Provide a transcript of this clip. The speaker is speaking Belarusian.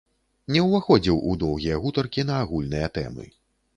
Не ўваходзіў у доўгія гутаркі на агульныя тэмы.